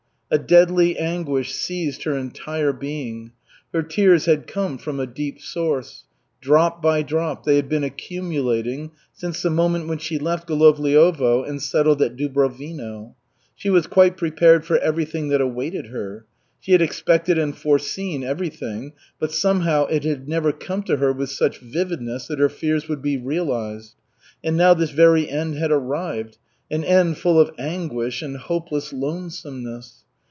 A deadly anguish seized her entire being. Her tears had come from a deep source. Drop by drop they had been accumulating since the moment when she left Golovliovo and settled at Dubrovino. She was quite prepared for everything that awaited her. She had expected and foreseen everything, but somehow it had never come to her with such vividness that her fears would be realized. And now this very end had arrived, an end full of anguish and hopeless lonesomeness.